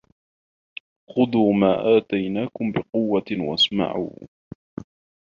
خُذُوا مَا آتَيْنَاكُمْ بِقُوَّةٍ وَاسْمَعُوا ۖ